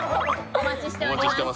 お待ちしております